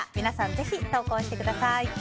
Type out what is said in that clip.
ぜひ投稿してください。